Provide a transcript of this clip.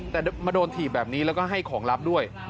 แต่มาโดนถีบแบบนี้แล้วก็ให้ของลับด้วย